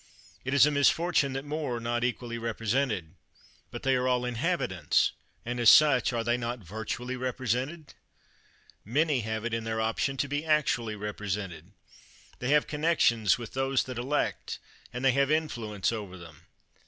It is a misfortune that more are not equally represented. But they are all inhabitants, and as such, are they not virtually represented? Many have it in their option to be actually represented. They have connections with those that elect, and they have influence over them.